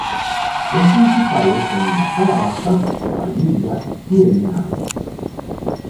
Los principales son la calabaza, vanilla y el ñame.